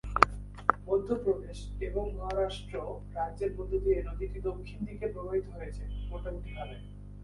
মধ্য প্রদেশ এবং মহারাষ্ট্র রাজ্যের মধ্যে দিয়ে নদীটি দক্ষিণ দিকে প্রবাহিত হয়েছে, মোটামুটিভাবে।